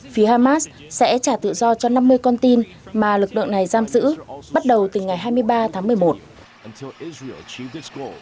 phía hamas sẽ trả tự do cho năm mươi con tin mà lực lượng này giam giữ bắt đầu từ ngày hai mươi ba tháng một mươi một